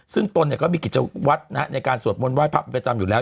ซึ่งตนก็มีกิจวัตรในการสวดมนต์ไห้พระเป็นประจำอยู่แล้ว